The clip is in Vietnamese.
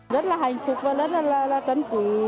rất là hạnh phúc và rất là tấn cử